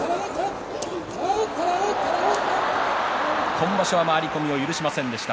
今場所は回り込みを許しませんでした。